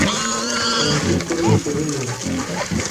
Qencî kurê kerê ye.